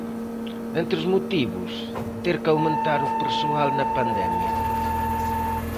Entre os motivos, ter que aumentar o persoal na pandemia.